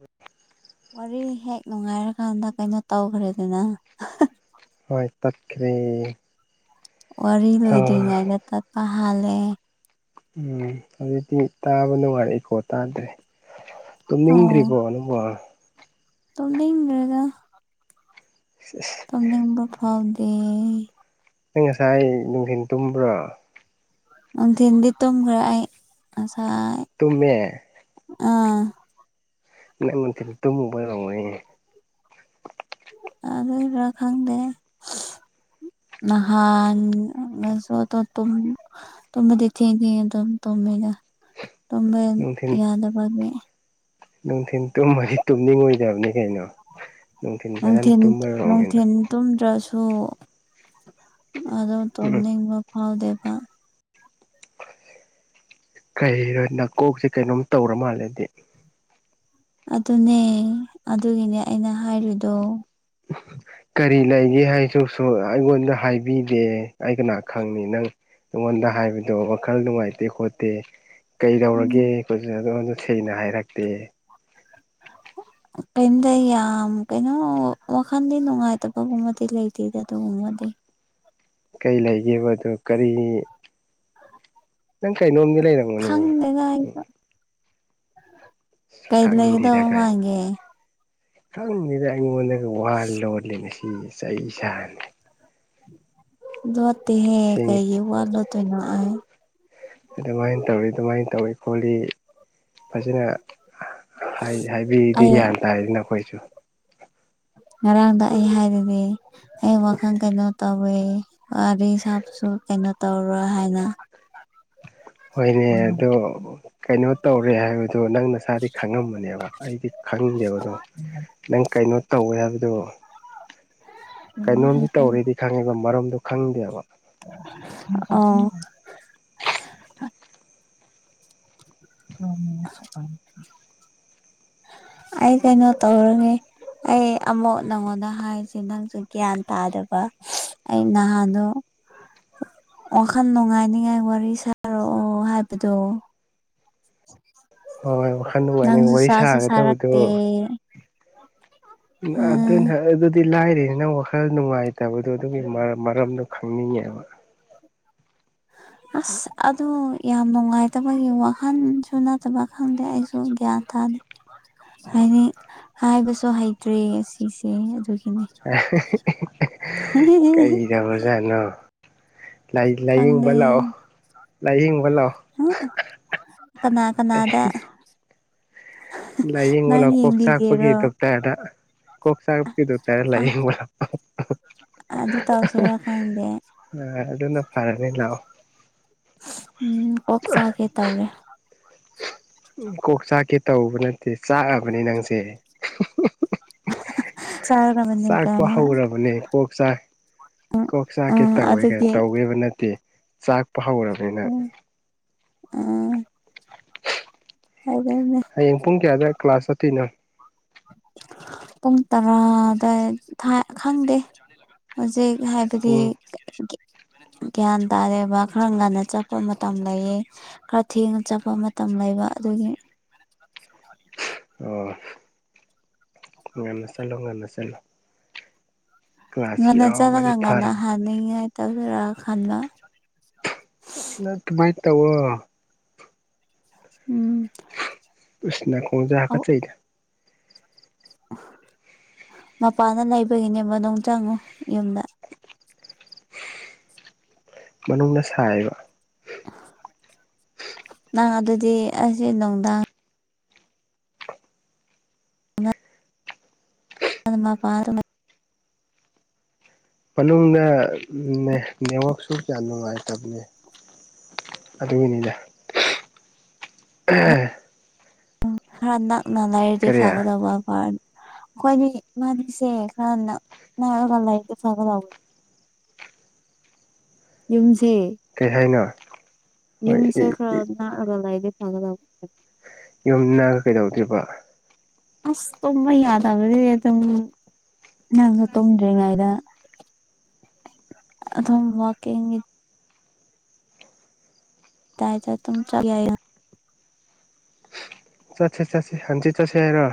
ꯍ ꯋꯥꯔꯤ ꯍꯦꯛ ꯅꯨꯡꯉꯥꯏꯔꯀꯥꯟꯗ ꯀꯩꯅꯣ ꯇꯧꯈ꯭ꯔꯦꯗꯅ ꯍꯣꯏ ꯇꯠꯈꯔꯦ꯫ ꯋꯥꯔꯤ ꯂꯣꯏꯗ꯭ꯔꯤꯉꯩꯗ ꯇꯠꯄ ꯍꯥꯜꯂꯦ꯫ ꯎꯝ ꯍꯧꯖꯤꯛꯇꯤ ꯇꯥꯕ ꯅꯨꯡꯉꯥꯔꯤ ꯏꯀꯣ ꯇꯥꯗ꯭ꯔꯦ꯫ ꯇꯨꯝꯅꯤꯡꯗ꯭ꯔꯤꯕꯣ ꯅꯪꯕꯣ? ꯇꯨꯝꯅꯤꯡꯗꯔ꯭ꯦꯗ꯫ ꯏꯁ ꯇꯨꯝꯅꯤꯝꯕ ꯐꯥꯎꯗꯦ꯫ ꯅꯪ ꯉꯁꯥꯏ ꯅꯨꯡꯗꯤꯟ ꯇꯨꯝꯕ꯭ꯔꯣ꯫ ꯅꯨꯡꯊꯤꯟꯗꯤ ꯇꯨꯝꯈꯔꯦ ꯑꯦ ꯉꯁꯥꯏ ꯇꯨꯃꯦ ꯑꯥ ꯅꯪ ꯅꯨꯡꯊꯤꯟ ꯇꯨꯃꯨꯕꯩ ꯑꯣꯏꯔꯝꯒꯅꯤ꯫ ꯑꯗꯨꯏꯔꯥ ꯈꯪꯗꯦ ꯅꯍꯥꯟ ꯒꯁꯨ ꯑꯇꯣꯇꯨꯝ ꯇꯨꯝꯕꯗꯤ ꯊꯦꯡꯉꯦ ꯑꯗꯨꯝ ꯇꯨꯃꯦ ꯇꯨꯝꯕ ꯅꯨꯡꯊꯤꯟ ꯌꯥꯗꯕꯒꯤ ꯅꯨꯡꯊꯤꯟ ꯇꯨꯝꯃꯒꯤ ꯇꯨꯝꯅꯤꯡꯉꯣꯏꯗꯝꯅꯤ ꯀꯩꯅꯣ ꯅꯨꯡꯊꯤꯟ ꯐꯖꯅ ꯇꯨꯝꯃꯔꯣꯅꯤ ꯅꯪ ꯇꯨꯝꯗ꯭ꯔꯁꯨ ꯑꯗꯨꯝ ꯎꯝ ꯇꯨꯝꯅꯤꯡꯕ ꯐꯥꯎꯗꯦꯕ꯫ ꯀꯔꯤꯔꯣ ꯅꯥꯀꯣꯛꯁꯤ ꯀꯩꯅꯣꯝ ꯇꯧꯔ ꯃꯥꯜꯂꯦꯗꯤ ꯑꯗꯨꯅꯦ ꯑꯗꯨꯒꯤꯅꯦ ꯑꯩꯅ ꯍꯥꯏꯔꯤꯗꯣ ꯀꯔꯤ ꯂꯩꯒꯦ ꯍꯥꯏꯖꯣꯛꯁꯨ ꯑꯩꯉꯣꯟꯗ ꯍꯥꯏꯕꯤꯗꯦ ꯑꯩ ꯀꯅꯥ ꯈꯪꯅꯤ ꯅꯪ ꯑꯩꯉꯣꯟꯗ ꯍꯥꯏꯕꯗꯣ ꯋꯥꯈꯜ ꯅꯨꯡꯉꯥꯏꯇꯦ ꯈꯣꯠꯇꯦ꯫ ꯀꯩꯗꯧꯔꯒꯦ ꯎꯝ ꯒꯣꯟꯁꯨ ꯁꯦꯡꯅ ꯍꯥꯏꯔꯛꯇꯦ꯫ ꯀꯩꯝꯇ ꯌꯥꯝ ꯀꯩꯅꯣ ꯋꯥꯈꯜꯗꯤ ꯅꯨꯡꯉꯥꯏꯇꯕꯒꯨꯝꯕꯗꯤ ꯂꯩꯇꯦꯗ ꯑꯗꯨꯒꯨꯝꯕꯗꯤ꯫ ꯀꯩ ꯂꯩꯒꯦꯕ ꯑꯗꯨ ꯀꯔꯤ ꯅꯪ ꯀꯩꯅꯣꯝꯗꯤ ꯂꯩꯔꯝꯒꯅꯤ ꯎꯝ ꯈꯪꯗꯦꯗ [inaudible] ꯀꯩ ꯈꯪꯗꯦꯗ ꯂꯩꯒꯗꯧ ꯀꯥꯏꯅ ꯃꯥꯟꯒꯦ ꯈꯪꯗꯦꯗ ꯑꯩꯉꯣꯟꯗꯒ ꯋꯥ ꯂꯣꯠꯂꯤꯅꯦ ꯁꯤ ꯏ ꯆꯩ ꯆꯥꯅꯤ꯫ ꯂꯣꯇꯦꯍꯦ ꯁꯦꯡ ꯀꯩꯒꯤ ꯋꯥ ꯂꯣꯇꯣꯏꯅꯣ ꯑꯩ ꯑꯗꯨꯃꯥꯏ ꯇꯧꯔꯤ ꯑꯗꯨꯃꯥꯏꯅ ꯇꯧꯔꯤ ꯈꯣꯠꯂꯤ ꯐꯖꯅ ꯍꯥꯏ ꯍꯥꯏꯕꯤꯔꯗꯤ ꯑꯩ ꯒꯌꯥꯟ ꯇꯥꯔꯦꯗꯅ ꯑꯥꯈꯣꯏꯁꯨ ꯉꯔꯥꯡꯗ ꯑꯩ ꯍꯥꯏꯗꯨꯗꯤ ꯑꯩ ꯋꯥꯈꯜ ꯀꯩꯅꯣ ꯇꯧꯋꯤ ꯋꯥꯔꯤ ꯁꯥꯕꯁꯨ ꯀꯩꯅꯣ ꯇꯧꯔꯣ ꯍꯥꯏꯅ ꯍꯣꯏꯅꯦ ꯑꯗꯣ ꯀꯩꯅꯣ ꯇꯧꯔꯦ ꯍꯥꯏꯕꯗꯨ ꯅꯪ ꯅꯁꯥꯗꯤ ꯈꯪꯉꯝꯃꯅꯦꯕ ꯑꯩꯗꯤ ꯈꯪꯗꯦꯕ ꯗꯣ ꯅꯪ ꯀꯩꯅꯣ ꯇꯧꯋꯦ ꯍꯥꯏꯕꯗꯣ ꯀꯩꯅꯣꯝꯗꯤ ꯇꯧꯔꯦꯗꯤ ꯈꯪꯉꯦꯕ ꯃꯔꯝꯗꯣ ꯈꯪꯗꯦꯕ꯫ ꯑ ꯎꯝ [unintelligible] ꯑꯩ ꯀꯩꯅꯣ ꯇꯧꯔꯅꯤ ꯑꯩ ꯑꯃꯨꯛ ꯅꯉꯣꯟꯗ ꯍꯥꯏꯔꯤꯁꯦ ꯅꯪꯁꯨ ꯒ꯭ꯌꯥꯟ ꯇꯥꯗꯦꯕ ꯑꯩ ꯅꯍꯥꯟꯗꯣ ꯋꯥꯈꯜ ꯅꯨꯡꯉꯥꯏꯅꯤꯉꯥꯏ ꯋꯥꯔꯤ ꯁꯥꯔꯛꯑꯣ ꯍꯥꯏꯕꯗꯣ ꯍꯣꯏ ꯋꯥꯈꯜ ꯅꯨꯡꯉꯥꯏꯅ ꯅꯪꯁꯨ ꯋꯥꯔꯤ ꯁꯥꯁꯨ ꯁꯥꯒꯗꯕꯗꯣ ꯁꯥꯔꯛꯇꯦ ꯎꯝ ꯑꯗꯨꯅ ꯑꯗꯨꯗꯤ ꯂꯥꯏꯔꯤꯅ ꯅꯪ ꯋꯥꯈꯜ ꯅꯨꯡꯉꯥꯏꯇꯕꯗꯣ ꯑꯗꯨꯒꯤ ꯃꯔ ꯃꯔꯝꯗꯣ ꯈꯪꯅꯤꯡꯉꯦꯕ꯫ ꯑꯁ ꯑꯗꯨ ꯌꯥꯝ ꯅꯨꯡꯉꯥꯏꯇꯕꯒꯤ ꯋꯥꯈꯜꯁꯨ ꯅꯠꯇꯕ ꯈꯪꯗꯦ ꯑꯩꯁꯨ ꯒ꯭ꯌꯥꯟ ꯇꯅꯤ ꯍꯥꯏꯗꯤ ꯍꯥꯏꯕꯁꯨ ꯍꯩꯇ꯭ꯔꯦ ꯑꯁꯤꯁꯦ ꯑꯗꯨꯒꯤꯅꯤ ꯑꯍꯥ ꯍꯦ ꯑꯍꯦ ꯀꯩꯗꯧꯔ ꯖꯥꯠꯅꯣ ꯈꯪꯗꯦ ꯂꯥꯏꯌꯦꯡꯕ ꯂꯥꯛꯑꯣ ꯎꯛ ꯀꯅꯥ ꯀꯅꯥꯗ ꯅꯪ ꯂꯥꯏꯌꯦꯡꯕꯅ ꯀꯣꯛ ꯌꯦꯡꯕꯤꯒꯦꯔꯣ ꯆꯥꯛꯄꯒꯤꯗꯣꯛꯇꯗ ꯀꯣꯁꯥꯒ ꯀꯤꯗꯨꯣ ꯇꯔ ꯂ ꯑꯥ ꯑꯗꯨ ꯇꯧꯁꯤꯔꯥ ꯈꯪꯗꯦ ꯑ ꯑꯗꯨ ꯑꯗꯨꯅ ꯐꯔꯅ ꯂꯑꯣ ꯎꯝ ꯀꯣꯛ ꯆꯥꯒꯦ ꯇꯧꯔꯦ ꯎ ꯀꯣꯛ ꯆꯥꯛꯀꯦ ꯇꯧꯕ ꯅꯠꯇꯦ ꯆꯥꯛꯑꯕꯅꯤ ꯅꯪꯁꯦ ꯆꯥꯒ ꯃ ꯆꯥꯛꯄ ꯍꯧꯔꯕꯅꯦ ꯀꯣꯛ ꯆꯥꯛ ꯀꯣꯛ ꯆꯥꯛꯀꯦ ꯎꯝ ꯇꯧꯋꯦ ꯀ ꯑꯗꯨꯒꯤ ꯇꯧꯒꯦꯕ ꯅꯠꯇꯦ ꯆꯥꯛꯄ ꯍꯧꯔꯕꯅꯤꯅ ꯎꯝ ꯎꯝ ꯑꯗꯨꯅꯦ ꯍꯌꯦꯡ ꯄꯨꯡ ꯀꯌꯥꯗ ꯀ꯭ꯂꯥꯁ ꯇꯥꯇꯤꯅꯣ ꯄꯨꯡ ꯇꯔꯥꯗ ꯈꯪꯗꯦ ꯍꯧꯖꯤꯛ ꯍꯥꯏ ꯍꯥꯏꯕꯗꯤ ꯄꯨꯡ ꯒ꯭ꯌꯥꯟ ꯇꯥꯔꯦꯕ ꯈꯔ ꯉꯥꯟꯟꯅ ꯆꯠꯄ ꯃꯇꯝ ꯂꯩꯌꯦ ꯈꯔ ꯊꯦꯡꯅ ꯆꯠꯄ ꯃꯇꯝ ꯂꯩꯕ ꯑꯗꯨꯒꯤ ꯑꯣ ꯉꯟꯅ ꯆꯠꯂꯣ ꯉꯟꯅ ꯆꯠꯂꯣ ꯀ꯭ꯂꯥꯁ ꯉꯟꯅ ꯆꯠꯂꯒ ꯌꯥꯎꯕꯗꯤ ꯉꯟꯅ ꯐꯔꯕꯅꯤ ꯍꯅꯉꯥꯏ ꯇꯧꯗꯣꯏꯔꯥ ꯈꯟꯕ ꯇꯃꯥꯏ ꯇꯕꯣ ꯎꯝ ꯎꯁꯤꯅ ꯈꯣꯡꯖꯒꯆꯩꯗ ꯃꯄꯥꯟꯅ ꯂꯩꯕꯒꯤꯅꯦ ꯃꯅꯨꯡ ꯆꯪꯉꯨ ꯌꯨꯝꯗ ꯃꯅꯨꯡꯗ ꯁꯥꯏꯕ ꯅꯪ ꯑꯗꯨꯗꯤ ꯑꯁꯤꯁ ꯅꯨꯡꯗꯥꯡ ꯑꯗꯨ ꯄꯥꯔ ꯃꯅꯨꯡꯗ ꯅꯦꯠꯋꯥꯛꯁꯨ ꯀꯌꯥ ꯅꯨꯡꯉꯥꯏꯇꯕꯅꯦ ꯇꯃꯤꯅꯤꯗ ꯔꯥꯟꯥꯛ ꯅꯉꯥꯏꯔꯗꯤ ꯀꯔꯤ ꯐꯒꯗꯧꯕ ꯀ ꯑꯩꯈꯣꯏꯅꯦ ꯃꯥꯅꯤꯁꯦ ꯈꯔꯟꯅ ꯅꯥꯔꯒ ꯂꯩꯔꯤꯛꯇ ꯐꯒ ꯂꯧꯋꯤ ꯌꯨꯝꯁꯦ ꯀꯩ ꯍꯥꯏꯅꯣ ꯍꯣꯏ ꯌꯨꯝꯁꯦ ꯈꯔ ꯅꯅꯥꯛꯑꯒ ꯂꯩꯗꯤ ꯐꯒꯗꯕ ꯌꯨꯝ ꯅꯥꯒ ꯀꯩꯗꯧꯗ꯭ꯔꯤꯕ ꯑꯁ ꯊꯃ ꯌꯥꯗꯒꯗꯤꯦ ꯑꯗꯨ ꯅꯪꯁꯨ ꯇꯨꯝꯗ꯭ꯔꯤꯉꯩꯗ ꯑꯗꯨꯝꯋꯀꯤꯡ ꯌꯥ ꯇ ꯇ ꯆ ꯌꯥꯏ ꯆꯠꯁꯦ ꯆꯠꯁꯤꯦ ꯍꯥꯟꯆꯤ ꯆꯠꯁꯦ ꯌꯥꯔꯣ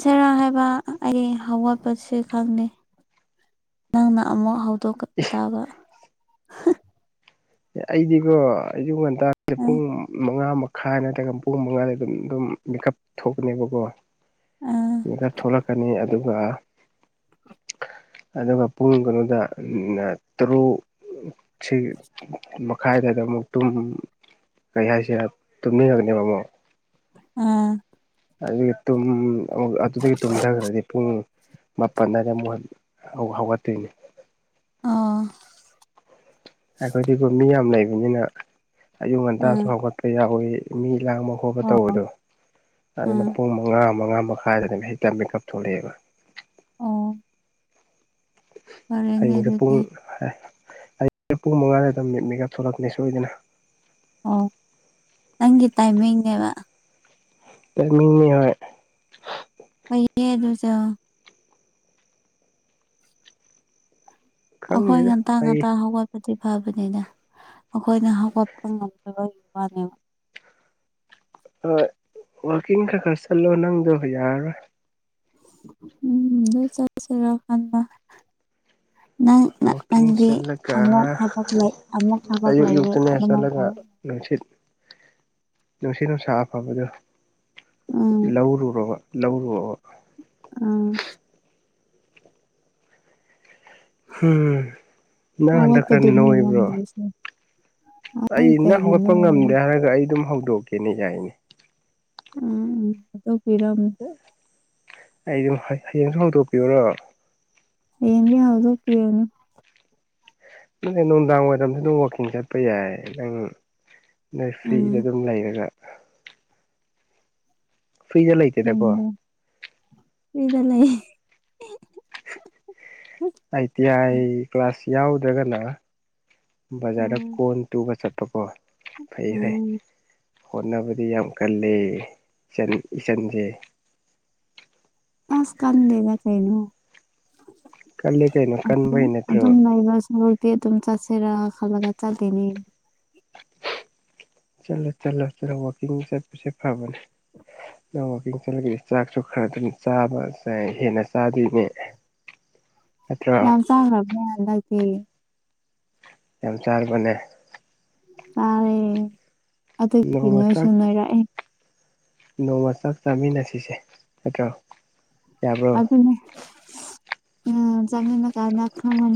ꯁꯦꯔꯥ ꯍꯥꯏꯕ ꯑꯩ ꯍꯧꯋꯥꯠꯄꯁ ꯈꯪꯅꯤꯦ ꯅꯪꯅ ꯑꯃꯨꯛ ꯍꯧꯗꯣꯛ ꯏꯁ ꯇꯥꯕ ꯑꯦ ꯑꯩꯗꯤꯀꯣ ꯑꯩꯁꯨ ꯉꯟꯇꯥꯁꯦ ꯎꯝ ꯄꯨꯡ ꯃꯉꯥꯃ ꯈꯥ ꯅꯠꯇ꯭ꯔꯒ ꯄꯨꯡ ꯃꯉꯥꯗ ꯑꯗꯨꯝ ꯑꯗꯨꯝ ꯃꯦꯀꯞ ꯊꯣꯛꯄꯅꯦꯕꯀꯣ ꯎꯝ ꯃꯤꯗ ꯊꯣꯛꯣꯂꯛꯀꯅꯤ ꯑꯗꯨꯒ ꯑꯗꯨꯒ ꯄꯨꯡ ꯀꯩꯅꯣꯗ ꯇꯔꯨꯛ ꯁꯤ ꯃꯈꯥꯏꯗꯗ ꯑꯃꯨꯛ ꯀꯔꯤ ꯍꯥꯏꯁꯤꯦ ꯇꯨꯝꯃꯤꯔꯒꯅꯦꯕ ꯑꯃꯨꯛ ꯎꯝ ꯑꯗꯨꯗꯒꯤ ꯇ ꯑꯗꯨꯗꯒꯤ ꯇ ꯍꯟꯊꯈ꯭ꯔꯗꯤ ꯄꯨꯡ ꯃꯥꯄꯜ ꯑꯏꯗ ꯑꯃꯨꯛ ꯍ ꯍꯧꯒꯠꯇꯣꯏꯅꯤ ꯑꯥ ꯑꯩꯈꯣꯏꯗꯤꯀ ꯃꯤ ꯌꯥꯝ ꯂꯩꯕꯅꯤꯅ ꯑꯌꯨꯛ ꯉꯟꯇꯥꯁꯨ ꯎꯝ ꯍꯧꯒꯠꯄ ꯌꯥꯎꯋꯤ ꯃꯤ ꯂꯥꯡꯕ ꯈꯣꯠꯄ ꯑꯣ ꯇꯧꯕꯗꯣ ꯑꯗꯨꯅ ꯎꯝ ꯄꯨꯡ ꯃꯉꯥ ꯃꯉꯥ ꯃꯈꯥꯏꯗꯅꯦ ꯍꯦꯛꯇ ꯃꯦꯀꯞ ꯊꯣꯛꯂꯛꯑꯦꯕ ꯑꯣ ꯐꯔꯦꯅꯦ ꯍꯌꯦꯡꯁꯦ ꯄꯨꯡ ꯑꯗꯨꯗꯤ ꯍꯥꯏ ꯍꯌꯦꯡꯁꯦ ꯄꯨꯡ ꯃꯉꯥꯗ ꯑꯗꯨꯝ ꯃꯤꯠ ꯃꯦꯒꯑꯞ ꯊꯣꯛꯂꯛꯄꯅꯦ ꯁꯣꯏꯗꯅ ꯑꯣ ꯅꯪꯒꯤ ꯇꯥꯏꯃꯤꯡꯅꯦꯕ ꯃꯤꯅꯤ ꯍ ꯍꯩꯌꯦ ꯑꯗꯨꯁꯨ ꯑꯩꯈꯣꯏ ꯈꯪꯗꯦꯗ ꯉꯟꯇꯥ ꯐꯩ ꯉꯟꯇꯥ ꯍꯧꯒꯠꯄ ꯗꯤ ꯐꯕꯅꯤꯅ ꯑꯩꯈꯣꯏꯅ ꯍꯧꯒꯠꯄ ꯉꯝꯗꯕꯒꯤ ꯋꯥꯅꯦꯕ ꯍꯣꯏ ꯋꯥꯛꯀꯤꯡ ꯈꯔ ꯈꯔ ꯆꯠꯂꯣ ꯅꯪꯗꯣ ꯌꯥꯔꯔꯣꯏ ꯎꯝ ꯍ ꯆꯠꯁꯦꯔ ꯈꯥꯟ ꯅꯪ ꯋꯥꯛꯀꯤꯡ ꯅꯪꯗꯤ ꯆꯠꯂꯒ ꯑꯃꯨꯛ ꯊꯕꯛ ꯑꯃꯨꯛ ꯊꯕꯛ ꯑꯌꯨꯛ ꯂꯩꯌꯦ ꯑꯌꯨꯛꯇꯅꯦ ꯑꯗꯨꯃꯥꯏꯅ ꯆꯠꯂꯒ ꯇꯧꯋꯤ ꯅꯨꯡꯁꯤꯠ ꯅꯨꯡꯁꯤꯠ ꯅꯨꯡꯁꯥ ꯑꯐꯕꯗꯣ ꯎꯝ ꯂꯧꯔꯨꯔꯕ ꯂꯧꯔꯨꯔꯕ ꯑ ꯎꯝ ꯅꯪ ꯑꯋꯥ ꯍꯟꯗꯛ ꯈꯔ ꯋꯥꯗꯨ ꯅ ꯋꯥꯗꯦꯁ ꯑꯩꯅ ꯍꯧꯒꯠꯄ ꯉꯝꯗꯦ ꯍꯥꯏꯔꯒ ꯑꯩ ꯑꯗꯨꯝ ꯍꯧꯗꯣꯛꯀꯦꯅꯦ ꯌꯥꯏꯅꯦ ꯎꯝ ꯐꯤꯔꯝ ꯑꯩ ꯑꯗꯨꯝ ꯍꯌꯦꯡꯁꯨ ꯍꯣꯡꯗꯣꯛꯄꯤꯌꯔꯣ ꯌꯦꯟꯗꯤ ꯍꯎꯗ ꯀꯤꯅꯤ ꯅꯨꯡꯗꯥꯡ ꯋꯥꯏꯔꯝꯁꯨ ꯑꯗꯨꯝ ꯋꯥꯛꯀꯤꯡ ꯆꯠꯄ ꯌꯥꯏ ꯅꯪ ꯅꯣꯏ ꯎꯝ ꯐ꯭ꯔꯤꯗ ꯑꯗꯨꯝ ꯂꯩꯔꯒ ꯐꯤꯔꯤꯖ ꯂꯩ ꯎꯝ ꯏꯂ ꯑꯥꯏ ꯇꯤ ꯑꯥꯏ ꯀ꯭ꯂꯥꯁ ꯌꯥꯎꯗ꯭ꯔꯒꯅ ꯕꯖꯥꯔꯗ ꯎꯝ ꯀꯣꯟ ꯇꯨꯕ ꯆꯠꯄꯀꯣ ꯐꯩ ꯐꯩ ꯎꯝ ꯍꯣꯠꯅꯕꯗꯤ ꯌꯥꯝ ꯀꯂ ꯏꯆꯟ ꯏꯆꯟꯁꯦ ꯑꯁ ꯀꯜ ꯂꯩꯗ ꯀꯩꯩꯅ ꯀꯜꯂ ꯀꯩꯅꯣ ꯀꯟꯕꯩ ꯅꯠꯇ꯭ꯔꯣ ꯄꯦ ꯑꯗꯨꯨꯝ ꯆꯁꯦꯔ ꯈꯜꯂꯒ ꯆꯂꯤꯦꯅꯤ ꯆꯠꯂꯣ ꯆꯠꯂꯣ ꯆꯠꯂꯣ ꯋꯥꯛꯀꯤꯡ ꯆꯠꯄꯁꯦ ꯐꯕꯅꯦ ꯅ ꯋꯥꯛꯀꯤꯡ ꯆꯠꯂꯒꯗꯤ ꯆꯥꯛꯁꯨ ꯈꯔ ꯑꯗꯨꯝ ꯆꯥꯕ ꯍꯦꯟꯅ ꯆꯥꯗꯣꯏꯅꯦ [unintelligible] ꯑꯠꯇ ꯆꯥꯡ꯭ꯔꯗ ꯌꯥꯝ ꯆꯥꯔꯕꯅꯦ ꯇꯥꯔꯦ ꯑꯗꯨꯗꯤ ꯅꯣꯡꯃ ꯅꯣꯏꯁꯨ ꯆꯥꯛ ꯅꯣꯏꯔꯛꯑꯦ ꯅꯣꯡꯃ ꯆꯥꯛ ꯆꯥꯃꯤꯟꯅꯁꯤꯁꯦ ꯅꯠꯇ꯭ꯔꯣ ꯌꯥꯕ꯭ꯔꯣ ꯑꯗꯨꯅꯦ ꯎ ꯆꯃꯅ ꯀꯥꯏꯅ ꯍꯥꯀ ꯅ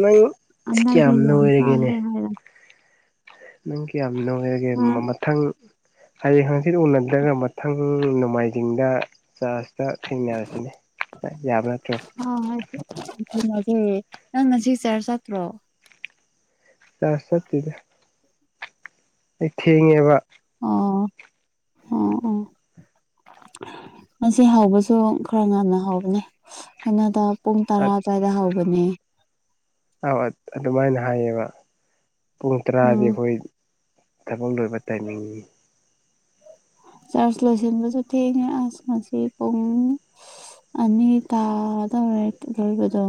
ꯅꯪ ꯍꯟꯗꯛꯇꯤ ꯀꯌꯥꯝꯅ ꯌꯥꯝ ꯑꯣꯏꯔꯒꯦꯅꯦ ꯆꯥꯈ꯭ꯔꯦ ꯍꯥꯏꯔ ꯅꯪꯒꯤ ꯌꯥꯝ ꯅꯨꯡꯉꯥꯏꯔꯒꯦ ꯈꯔ ꯃꯊꯪ ꯍꯌꯦꯡ ꯍꯪꯆꯤꯠ ꯎꯅꯗ꯭ꯔꯒ ꯃꯊꯪ ꯅꯣꯡꯃꯥꯏꯖꯤꯡꯗ ꯆ ꯊꯦꯡꯅꯔꯁꯤꯅꯦ ꯌꯥꯕ ꯅꯠꯇ꯭ꯔꯣ ꯍ ꯍꯣꯏ ꯊꯦꯡꯁꯦ ꯅꯪ ꯉꯁꯤ ꯆꯔ ꯆꯠꯇ꯭ꯔꯣ ꯆ ꯁꯠꯗ [unintelligible] ꯑꯩ ꯊꯦꯡꯉꯦꯕ ꯑꯣ ꯑꯣ ꯑꯣ ꯃꯁꯤ ꯍꯥꯎꯕꯁꯨ ꯈꯔ ꯉꯟꯅ ꯍꯥꯎꯕꯅꯦ ꯑꯩꯅꯗ ꯄꯨꯡ ꯇꯔꯥ ꯑꯗꯨ꯭ꯋꯥꯏꯗ ꯍꯧꯕꯅꯦ ꯑꯗꯨꯃꯥꯏꯅ ꯍꯥꯏꯌꯦꯕ ꯄꯨꯡ ꯇꯔꯥꯗꯤ ꯎꯝ ꯑꯩꯈꯣꯏ ꯊꯕꯛ ꯂꯣꯏꯕ ꯇꯥꯏꯃꯤꯡꯅꯤ ꯆꯥꯔꯖ ꯂꯣꯏꯁꯤꯟꯕꯁꯨ ꯊꯦꯡꯉꯦ ꯑꯁ ꯉꯁꯤ ꯄꯨꯡ ꯑꯅꯤ ꯇꯗ ꯈꯕꯗꯣ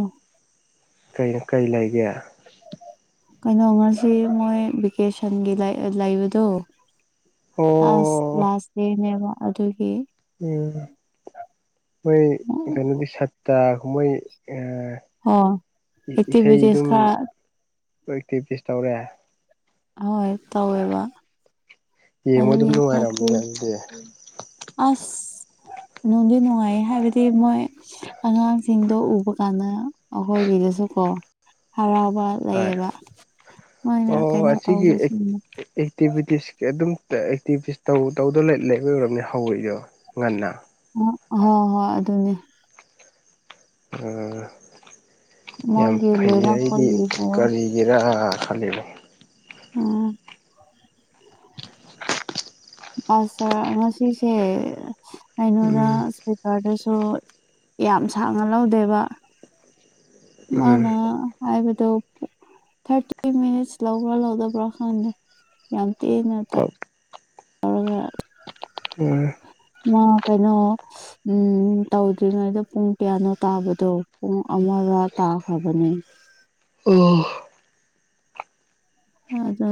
ꯀꯣ ꯀꯩ ꯂꯩꯒꯦ ꯀꯩꯅꯣ ꯉꯁꯤ ꯃꯣꯏ ꯚꯦꯀꯦꯁꯟꯒꯤ ꯂꯩꯑ-ꯂꯩꯕꯗꯣ ꯑꯁ ꯑꯣ ꯂꯥꯁ ꯗꯦꯅꯦꯕ ꯑꯗꯨꯒꯤ ꯎꯝ ꯃꯣꯏ ꯍꯣꯏ ꯀꯩꯅꯣꯗꯤ ꯁꯠꯇꯥ ꯃꯣꯏ ꯑ ꯏ-ꯏꯁꯩ ꯑꯦꯛꯇꯤꯚꯤꯇꯤꯁ ꯑꯗꯨꯝ ꯈꯔ ꯅꯣꯏ ꯄ꯭ꯔꯦꯛꯇꯤꯁ ꯇꯧꯔꯦ꯫ ꯍꯣꯏ ꯇꯧꯋꯦꯕ ꯌꯦꯡꯕ ꯑꯗꯨꯝ ꯑꯗꯨꯒꯤ ꯈꯔ ꯅꯨꯡꯉꯥꯏꯔꯝꯅꯤꯅ ꯑꯗꯨꯗꯤ ꯑꯁ ꯅꯨꯡꯗꯤ ꯅꯨꯡꯉꯥꯏꯌꯦ ꯍꯥꯏꯕꯗꯤ ꯃꯣꯏ ꯑꯉꯥꯡꯁꯤꯡꯗꯣ ꯎꯕ ꯀꯥꯟꯗ ꯑꯩꯈꯣꯏꯒꯤꯗꯁꯨ ꯀꯣ ꯍꯔꯥꯎꯕ ꯍꯣꯏ ꯂꯩꯌꯦꯕ ꯃꯣꯏꯅ ꯑꯣ ꯀꯩꯅꯣ ꯑꯁꯤꯒꯤ ꯇꯧꯕꯁꯤꯡꯅ ꯑꯦꯛꯇꯤꯚꯤꯇꯤꯁ ꯑꯗꯨꯝ ꯇ-ꯑꯦꯛꯇꯤꯚꯤꯁ ꯇꯧ ꯇꯧꯗ ꯂꯩꯕꯩ ꯑꯣꯏꯔꯝꯅꯤ ꯍꯧꯔꯤꯗꯣ ꯉꯟꯅ꯫ ꯎ ꯍ ꯍꯣꯏ ꯑꯗꯨꯅꯦ ꯑ ꯌꯥꯝ ꯃꯣꯏꯒꯤ ꯐꯩ ꯑꯩꯗꯤ ꯂꯣꯏꯔꯛꯄꯒꯤꯗꯣ ꯀꯔꯤ ꯒꯤꯔꯥ ꯈꯜꯂꯤꯅꯦ [unintelligible] ꯑꯁꯔ ꯉꯁꯤꯁꯦ ꯀꯩꯅꯣꯗ ꯎꯝ [unintelligible] ꯈꯔꯗꯁꯨ ꯌꯥꯝ ꯁꯥꯡꯅ ꯂꯧꯗꯦꯕ ꯃꯥꯅ ꯍꯥꯏꯕꯗꯣ ꯄꯨ ꯊꯥꯔꯇꯤ ꯃꯤꯅꯤꯠꯁ ꯂꯧꯕ꯭ꯔꯥ ꯂꯧꯗꯕ꯭ꯔꯥ ꯈꯪꯗꯦ ꯌꯥꯝ ꯇꯦꯟꯅ ꯇꯧ [unintelligible] ꯃꯥ ꯀꯩꯅꯣ ꯎꯝ ꯇꯧꯗ꯭ꯔꯤꯉꯩꯗ ꯄꯨꯡ ꯀꯌꯥꯅꯣ ꯇꯥꯕꯗꯣ ꯄꯨꯡ ꯑꯃꯔ ꯇꯥꯈ꯭ꯔꯕꯅꯦ꯫ ꯑꯣ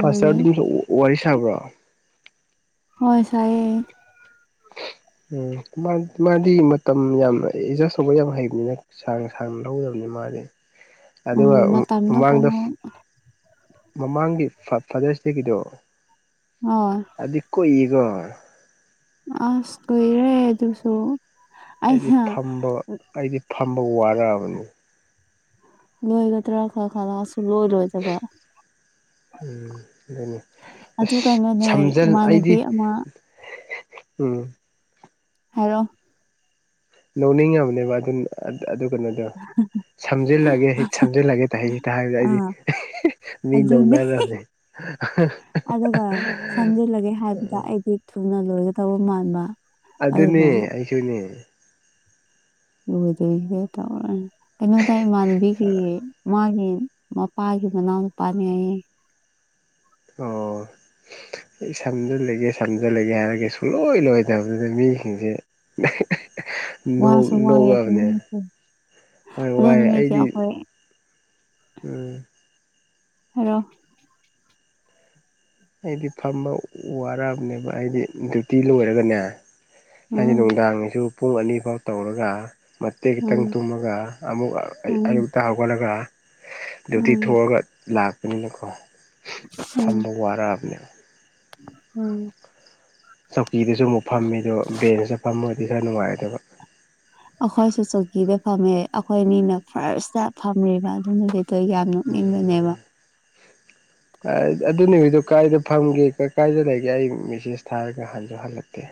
ꯄꯥꯁꯇꯔꯗꯤ [unintelligible] ꯋꯥꯔꯤ ꯁꯥꯕ꯭ꯔꯣ꯫ ꯍꯣꯏ ꯁꯥꯏꯌꯦ꯫ ꯎꯝ ꯃꯥ-ꯃꯥꯗꯤ ꯃꯇꯝ ꯌꯥꯝꯅ ꯑꯦꯗꯖꯁ ꯇꯧꯕ ꯌꯥꯝ ꯍꯩꯕꯅꯤꯅ ꯁꯥꯡꯅ ꯁꯥꯡꯅ ꯂꯧꯗꯕꯅꯤ ꯃꯥꯗꯤ ꯑꯗꯨꯒ ꯎꯝ ꯑꯝ ꯃꯇꯝꯗꯣ ꯃꯃꯥꯡꯗ ꯀꯩꯅꯣ ꯃꯃꯥꯡꯒꯤ ꯐꯥ-ꯐꯥꯗꯔꯁ ꯗꯦꯒꯤꯗꯣ ꯑꯥ ꯑꯗꯤ ꯀꯨꯏꯌꯦꯀꯣ ꯑꯁ ꯀꯨꯏꯔꯦ ꯑꯗꯨꯁꯨ ꯑꯩꯗꯤ ꯑꯩꯅ ꯐꯝꯕ ꯑꯩꯗꯤ ꯐꯝꯕ ꯋꯥꯔꯛꯑꯕꯅꯤ꯫ ꯂꯣꯏꯒꯗ꯭ꯔꯥ ꯈꯜꯂ ꯈꯜꯂꯁꯨ ꯁꯨꯛꯂꯣꯏ ꯂꯣꯏꯗꯕ꯫ ꯎꯝ ꯑꯗꯨꯅꯤ ꯑꯗꯨ ꯑꯁ ꯀꯩꯅꯣꯅꯦ ꯁꯝꯖꯟ ꯑꯩꯗꯤ ꯏꯃꯥꯟꯅꯕꯤ ꯑꯃ ꯎꯝ ꯍꯥꯏꯔꯣ ꯂꯧꯅꯤꯡꯉꯕꯅꯦꯕ ꯑꯗꯨꯅ ꯑꯗꯨꯀꯩꯅꯣꯗ ꯗꯣ ꯁꯝꯖꯤꯜꯂꯒꯦ ꯍꯦꯛ ꯁꯝꯖꯤꯜꯂꯒꯦ ꯇꯥ ꯍꯦꯛ ꯇꯥ ꯍꯦꯛ ꯍꯥꯏꯕꯗ ꯑꯩꯗꯤ ꯑꯥ ꯃꯤ ꯑꯗꯨꯅꯦ ꯅꯣꯡꯅꯔꯃꯦ ꯑꯗꯨꯒ [unintelligible] [unintelligible] ꯍꯥꯏꯕꯗ ꯑꯩꯗꯤ ꯊꯨꯅ ꯂꯣꯏꯒꯗꯧꯕ ꯃꯥꯟꯕ꯫ ꯑꯗꯨꯅꯦ ꯑꯗꯨꯒ ꯑꯩꯁꯨꯅꯦ꯫ ꯂꯣꯏꯗꯕꯤꯗ ꯇꯧꯔꯂꯩ ꯀꯩꯅꯣꯗ ꯏꯃꯥꯟꯅꯕꯤꯒꯤ ꯃꯥꯒꯤ ꯃꯄꯥꯒꯤ ꯃꯅꯥꯎ ꯅꯨꯄꯥꯅꯤ ꯍꯥꯏꯌꯦ꯫ ꯑꯣ ꯑꯩ ꯁꯝꯖꯜꯂꯒꯦ ꯁꯝꯖꯜꯂꯒꯦ ꯍꯥꯏꯔꯒ ꯁꯨꯡꯂꯣꯏ ꯂꯣꯏꯗꯕꯗꯨꯗ ꯃꯤꯁꯤꯡꯁꯦ [unintelligible] ꯅꯣꯛ ꯋꯥꯁꯨ ꯋꯥꯏ ꯑꯗꯨ ꯅꯣꯛꯑꯕꯅꯦ ꯅꯨꯃꯤꯠꯇꯨ ꯍꯣꯏ ꯑꯗꯨ ꯋꯥꯏ ꯅꯨꯃꯤꯠꯇꯤ ꯑꯩꯗꯤ ꯑꯩꯈꯣꯏ ꯎꯝ ꯍꯥꯏꯔꯣ ꯑꯩꯗꯤ ꯐꯝꯕ ꯋꯥꯔꯑꯛꯕꯅꯦꯕ ꯑꯩꯗꯤ ꯗ꯭ꯌꯨꯇꯤ ꯂꯣꯏꯔꯒꯅꯦ ꯍꯥꯏꯗꯤ ꯎꯝ ꯅꯨꯡꯗꯥꯡꯒꯤꯁꯨ ꯄꯨꯡ ꯑꯅꯤ ꯐꯥꯎ ꯇꯧꯔꯒ ꯃꯇꯦꯛ ꯈꯤꯇꯪ ꯎꯝ ꯇꯨꯝꯃꯒ ꯑꯃꯨꯛ ꯎꯝ ꯑ-ꯑꯌꯨꯛꯇ ꯍꯧꯒꯠꯂꯒ ꯗ꯭ꯌꯨꯇꯤ ꯎꯝ ꯊꯣꯛꯑꯒ ꯂꯥꯛꯄꯅꯤꯅꯀꯣ ꯎꯝ ꯐꯝꯕ ꯋꯥꯔꯛꯑꯕꯅꯦꯕ ꯎꯝ ꯆꯧꯀꯤꯗꯁꯨ ꯑꯃꯨꯛ ꯐꯝꯃꯤ ꯑꯗꯣ ꯕꯦꯟꯁꯇ ꯐꯝꯃꯗꯤ ꯈꯔ ꯅꯨꯡꯉꯥꯏꯗꯕ ꯑꯩꯈꯣꯏꯁꯨ ꯆꯧꯀꯤꯗ ꯐꯝꯃꯦ ꯑꯩꯈꯣꯏ ꯑꯅꯤꯅ ꯐꯥꯔꯁꯇ ꯐꯝꯃꯤꯕ ꯑꯗꯨꯅꯗꯤ ꯗ ꯌꯥꯝ ꯅꯣꯛꯅꯤꯡꯕꯅꯦꯕ ꯑꯗꯨꯅꯤ ꯍꯧꯗꯣ ꯀꯥꯏꯗ ꯐꯝꯒꯦ ꯀꯥꯏꯗ ꯂꯩꯒꯦ ꯑꯩ ꯃꯦꯁꯦꯖ ꯊꯥꯔꯒ ꯍꯟꯁꯨ ꯍꯜꯂꯛꯇꯦ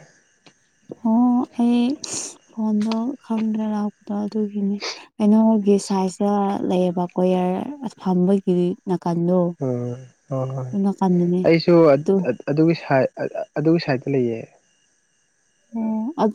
ꯑꯣ ꯑꯩ ꯐꯣꯟꯗꯣ ꯈꯪꯗ꯭ꯔꯦ ꯂꯥꯛꯄꯗꯣ ꯑꯗꯨꯒꯤꯅꯦ ꯑꯩꯩꯅꯣꯒꯤ ꯁꯥꯏꯖꯇ ꯂꯩꯌꯦꯕ ꯀꯣꯌꯔ ꯐꯝꯕꯒꯤ ꯅꯥꯀꯟꯗꯣ ꯑꯣ ꯍꯣ ꯍꯣꯏ ꯑꯗꯨ ꯅꯥꯀꯟꯗꯅꯦ ꯑꯩꯁꯨ ꯑꯗꯨ ꯑꯗꯨꯒꯤ ꯁꯥꯏꯠ ꯑꯗꯨꯒꯤ ꯁꯥꯏꯠꯇ ꯂꯩꯌꯦ ꯑꯣ ꯑꯗꯨ